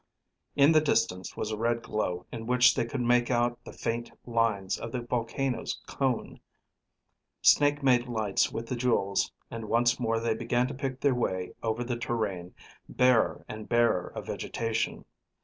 In the distance was a red glow in which they could make out the faint lines of the volcano's cone. Snake made lights with the jewels, and once more they began to pick their way over the terrain, barer and barer of vegetation.